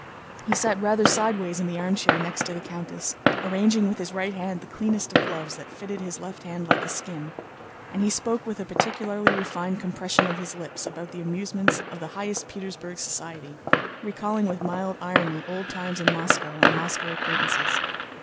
He sat rather sideways in the armchair next to the countess, arranging with his right hand the cleanest of gloves that fitted his left hand like a skin, and he spoke with a particularly refined compression of his lips about the amusements of the highest Petersburg society, recalling with mild irony old times in Moscow and Moscow acquaintances.